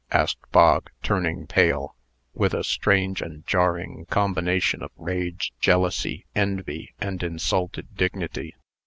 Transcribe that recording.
asked Bog, turning pale, with a strange and jarring combination of rage, jealousy, envy, and insulted dignity.